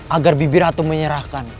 agar bibiratu menyerahkan